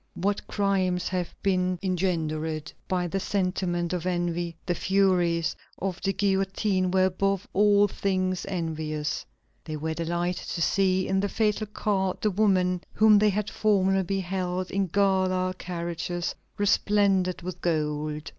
What crimes have been engendered by the sentiment of envy! The furies of the guillotine were above all things envious. They were delighted to see in the fatal cart the woman whom they had formerly beheld in gala carriages resplendent with gold.